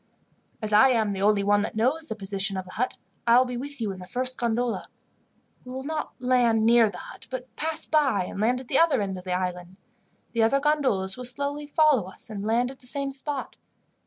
"As I am the only one that knows the position of the hut, I will be with you in the first gondola. We will not land near the hut, but pass by, and land at the other end of the island. The other gondolas will slowly follow us, and land at the same spot.